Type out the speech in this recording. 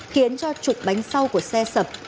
khiến cho trục bánh sau của xe sập